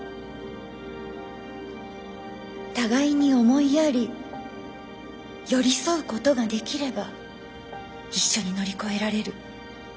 「互いに思いやり寄り添うことができれば一緒に乗り越えられる」。